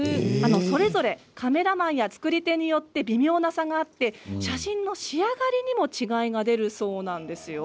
それぞれカメラマンや作り手によって微妙な差があって写真の仕上がりにも違いが出るそうなんです。